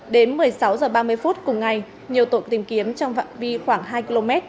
đến một mươi sáu h ba mươi phút cùng ngày nhiều tổ tìm kiếm trong vạn vi khoảng hai km